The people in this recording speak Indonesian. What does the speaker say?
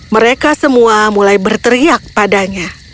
mereka semua mulai berteriak padanya